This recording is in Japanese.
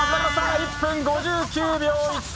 １分５９秒１３